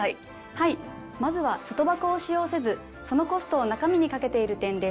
はいまずは外箱を使用せずそのコストを中身にかけている点です。